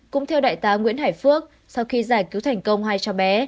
cũng theo đại tá nguyễn hải phước sau khi giải cứu thành công hai cháu bé